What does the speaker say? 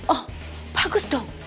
oh bagus dong